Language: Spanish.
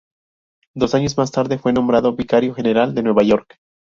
Dos años más tarde fue nombrado vicario general de Nueva York.